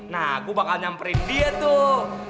nah aku bakal nyamperin dia tuh